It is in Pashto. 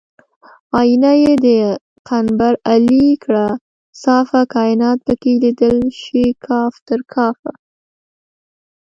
آیینه یې د قنبر علي کړه صافه کاینات پکې لیدی شي کاف تر کافه